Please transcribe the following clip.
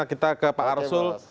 kita ke pak arsul